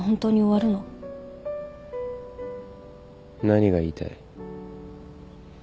何が言いたい。